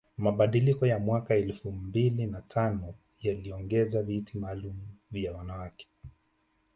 Mabadiliko ya mwaka elfu mbili na tano yaliongeza viti maalum vya wanawake